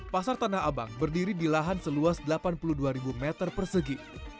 pasar tanah abang berdiri di lahan seluas delapan puluh dua meter persegi